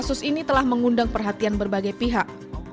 kasus ini telah mengundang perhatian berbagai pihak